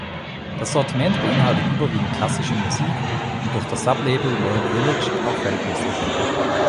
Das Sortiment beinhaltet überwiegend klassische Musik und durch das Sublabel World Village auch Weltmusik.